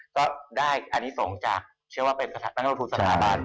ก็ได้อันนี้ส่งจากเชื่อว่าเป็นประสาทบังคลศูนย์สถาบัน